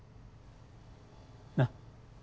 なっ？